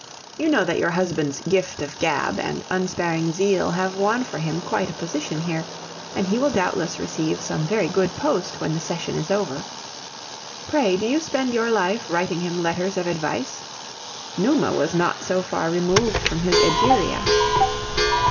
You know that your husband's "gift of gab" and unsparing zeal have won for him quite a position here, and he will doubtless receive some very good post when the session is over. Pray, do you spend your life writing him letters of advice? Numa was not so far removed from his Egeria.